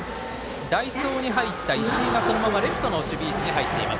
代走に入った石井が、そのままレフトの守備位置に入っています。